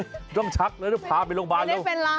ยังไม่ต้องชักในโรงพยาบาลต้องกำลังชักไปโรงพยาบาล